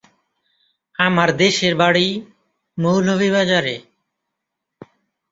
আমার দেশের বাড়ি মৌলভীবাজারে।